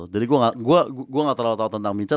jadi gue gak terlalu tau tentang mechat